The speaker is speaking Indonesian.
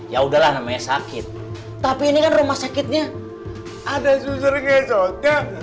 yaudahlah namanya sakit tapi ini kan rumah sakitnya ada suster mesotnya